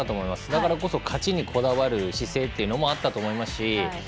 だからこそ勝ちにこだわる姿勢もあったと思いますし。